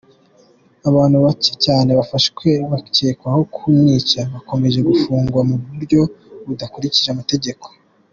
Abantu bake cyane bafashwe bakekwaho kumwica bakomeje gufungwa mu buryo budakurikije amategeko.